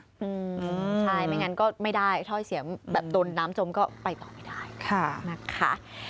ใช่ไม่อย่างนั้นก็ไม่ได้ท่อไอเสียแบบดนน้ำจมก็ไปต่อไม่ได้นะคะ